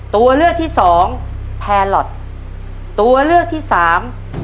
ตัวเลือกที่สองแพลลอทตัวเลือกที่สาม